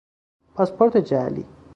پاسپورت جعلی